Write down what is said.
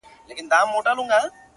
تر شا راپسي ږغ کړي، چي جان – جان مبارک,